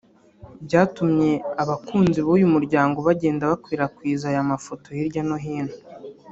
byatumye abakunzi b’uyu muryango bagenda bakwirakwiza aya mafoto hirya no hino